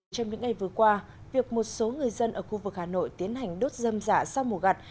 trong những ngày vừa qua việc một số người dân ở khu vực hà nội tiến hành đốt dâm dạ sau mùa gặt